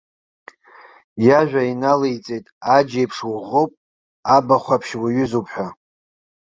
Иажәа иналаиҵеит аџь еиԥш уӷәӷәоуп, абахәаԥшь уаҩызоуп ҳәа.